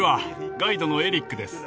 ガイドのエリックです。